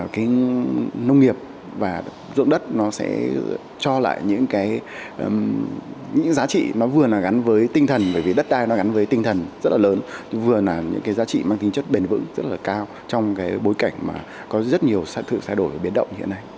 cái nông nghiệp và ruộng đất nó sẽ cho lại những cái giá trị nó vừa là gắn với tinh thần bởi vì đất đai nó gắn với tinh thần rất là lớn vừa là những cái giá trị mang tính chất bền vững rất là cao trong cái bối cảnh mà có rất nhiều sự thay đổi biến động hiện nay